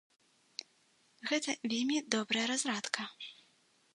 Гэта вельмі добрая разрадка.